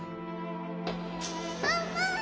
ママ